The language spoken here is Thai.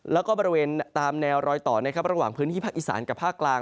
แล้วก็บริเวณตามแนวรอยต่อนะครับระหว่างพื้นที่ภาคอีสานกับภาคกลาง